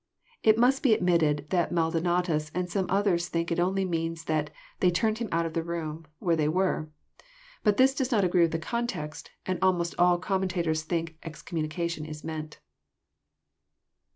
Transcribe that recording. It must be ad mitted that Maldonatus and some others think it only means that " they turned him out of the room " where they were. But this does not agree with the context, and almost all commenta tors think *' excommunication " is meant.